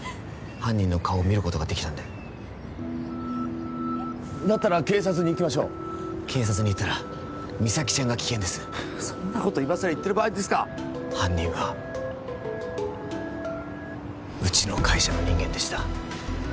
犯人の顔を見ることができたんでだったら警察に行きましょう警察に言ったら実咲ちゃんが危険ですそんなこと今さら言ってる場合ですか犯人はうちの会社の人間でした